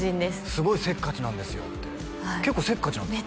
すごいせっかちなんですよって結構せっかちなんですか？